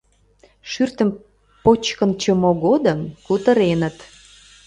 Шӱртым почкынчымо годым кутыреныт.